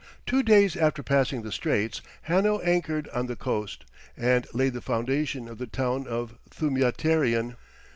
Two days after passing the Straits, Hanno anchored on the coast, and laid the foundation of the town of Thumiaterion.